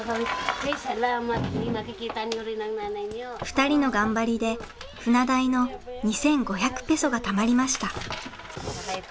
２人の頑張りで船代の２，５００ペソが貯まりました。